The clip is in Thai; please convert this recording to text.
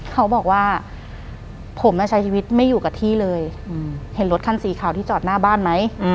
เขาบอกว่าผมใช้ชีวิตไม่อยู่กับที่เลยเห็นรถคันสีขาวที่จอดหน้าบ้านไหม